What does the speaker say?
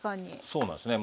そうなんですね。